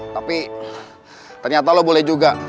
tapi ternyata lo boleh juga